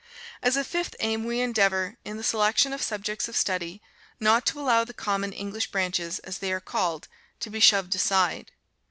As a fifth aim, we endeavor, in the selection of subjects of study, not to allow the common English branches, as they are called, to be shoved aside.